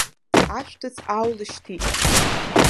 Ашәҭыц ааулышьҭит.